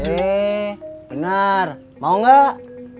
eh benar mau gak